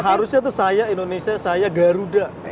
harusnya tuh saya indonesia saya garuda